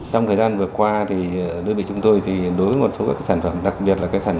trong thời gian vừa qua thì đối với chúng tôi thì đối với một số các sản phẩm đặc biệt là các sản